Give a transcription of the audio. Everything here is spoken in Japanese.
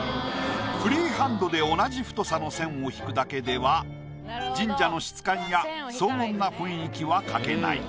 フリーハンドで同じ太さの線を引くだけでは神社の質感や荘厳な雰囲気は描けない。